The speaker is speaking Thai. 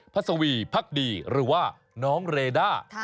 สวีพักดีหรือว่าน้องเรด้า